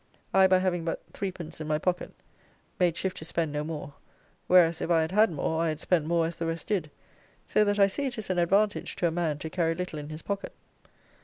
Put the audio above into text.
I by having but 3d. in my pocket made shift to spend no more, whereas if I had had more I had spent more as the rest did, so that I see it is an advantage to a man to carry little in his pocket.